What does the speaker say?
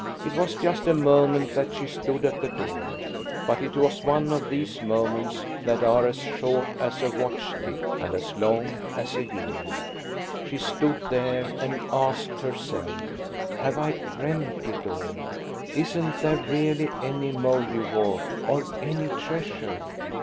It was just a moment that she stood at the door. But it was one of these moments that are as short as a watch tick, and as long as a year. She stood there and asked herself, "Have I dreamed it all? Isn't there really any Mouldiwarp or any treasure?"